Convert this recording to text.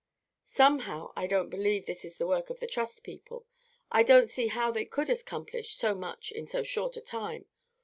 "Somehow, I can't believe this is the work of the Trust people; I don't see how they could accomplish so much in so short a time.